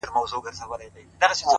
شعر اوس دومره کوچنی سوی دی ملگرو!